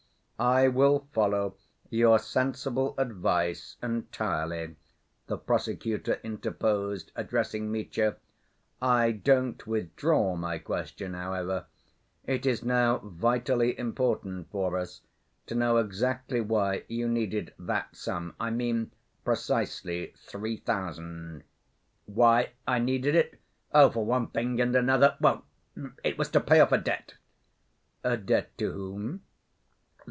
"I will follow your sensible advice entirely," the prosecutor interposed, addressing Mitya. "I don't withdraw my question, however. It is now vitally important for us to know exactly why you needed that sum, I mean precisely three thousand." "Why I needed it?... Oh, for one thing and another.... Well, it was to pay a debt." "A debt to whom?"